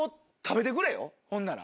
ほんなら。